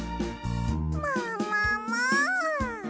ももも！